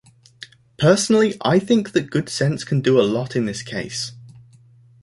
Personally I think that good sense can do a lot in this case.